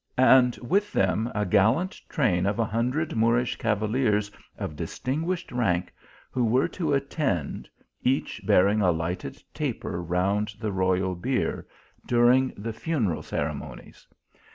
and with them a gallant train of a hundred Moorish cavaliers of distinguished rank, who were to attend, each bearing a lighted taper round the royal bier, during the funeral ceremonies.